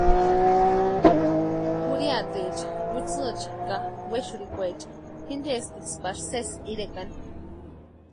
Jurhiataecha, kutsïicha ka wexurhikwaecha jintestiksï pari sésï irekani.